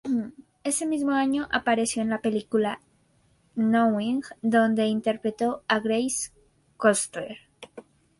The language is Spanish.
Ese mismo año apareció en la película Knowing donde interpretó a Grace Koestler.